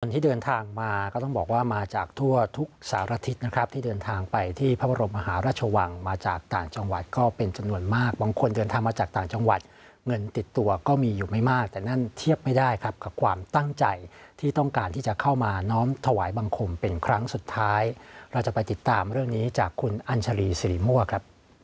ที่เดินทางมาก็ต้องบอกว่ามาจากทั่วทุกสารทิศนะครับที่เดินทางไปที่พระบรมมหาราชวังมาจากต่างจังหวัดก็เป็นจำนวนมากบางคนเดินทางมาจากต่างจังหวัดเงินติดตัวก็มีอยู่ไม่มากแต่นั่นเทียบไม่ได้ครับกับความตั้งใจที่ต้องการที่จะเข้ามาน้อมถวายบังคมเป็นครั้งสุดท้ายเราจะไปติดตามเรื่องนี้จากคุณอัญชาลีสิริมั่วครับ